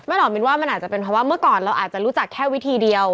หอมมินว่ามันอาจจะเป็นเพราะว่าเมื่อก่อนเราอาจจะรู้จักแค่วิธีเดียว